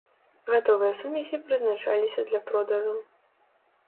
Гатовыя сумесі прызначаліся для продажу.